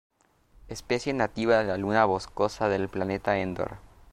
Especie nativa de la luna boscosa del planeta Endor.